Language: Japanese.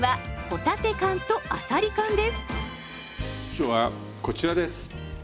今日はこちらです。